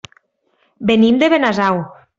Venim de Benasau.